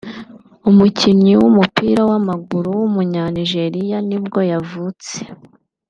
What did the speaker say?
umukinnyi w’umupira w’amaguru w’umunyanigeriya nibwo yavutse